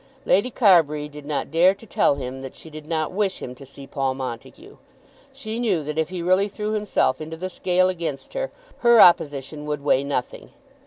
Lady Carbury did not dare to tell him that she did not wish him to see Paul Montague. She knew that if he really threw himself into the scale against her, her opposition would weigh nothing.